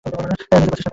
নিজে করছিস না কেন?